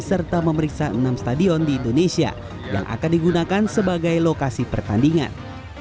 serta memeriksa enam stadion di indonesia yang akan digunakan sebagai lokasi pertandingan